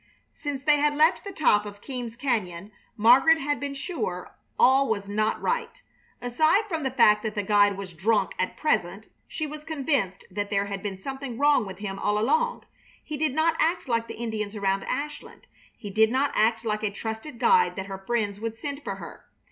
Since they had left the top of Keams Cañon Margaret had been sure all was not right. Aside from the fact that the guide was drunk at present, she was convinced that there had been something wrong with him all along. He did not act like the Indians around Ashland. He did not act like a trusted guide that her friends would send for her.